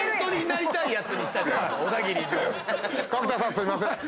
すいません。